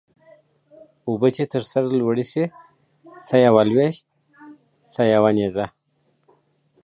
اوبه چې تر سر لوړي سي څه يوه لويشت څه يو نيزه.